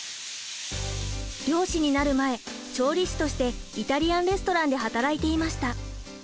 漁師になる前調理師としてイタリアン・レストランで働いていました。